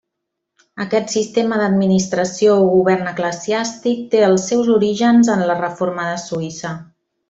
Aquest sistema d'administració o govern eclesiàstic té els seus orígens en la Reforma de Suïssa.